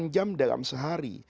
delapan jam dalam sehari